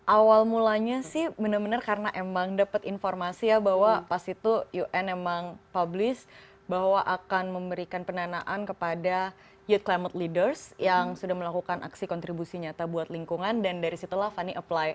awal mulanya sih benar benar karena emang dapet informasi ya bahwa pas itu un emang publis bahwa akan memberikan pendanaan kepada youth climate leaders yang sudah melakukan aksi kontribusi nyata buat lingkungan dan dari situlah fanny apply